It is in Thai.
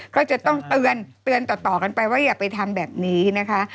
ก็จะต้องเตือนต่อกันไปว่าอย่าไปทำแบบนี้นะคะ